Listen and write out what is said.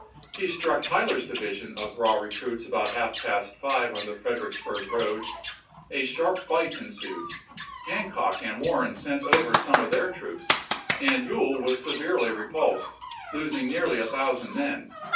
He struck Tyler's division of raw recruits about half past five on the Fred ericksburg road ; a sharp fight ensued ; Hancock and Warren sent over some of their troops, and Ewell was severely repulsed, losing nearly a thou sand men.